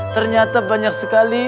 ternyata banyak sekali